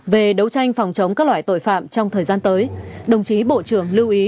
về đấu tranh phòng chống các loại tội phạm trong thời gian tới đồng chí bộ trưởng lưu ý